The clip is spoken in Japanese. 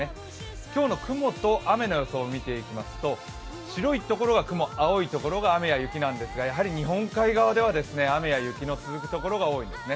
今日の雲と雨の予想を見ていきますと白いところが雲、青いところが雨や雪なんですがやはり日本海側では雨や雪の続くところが多いですね。